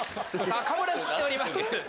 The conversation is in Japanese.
かぶらず来ております。